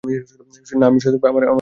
না, আমি শুয়ে থাকব, আমার মাথা ধরেছে।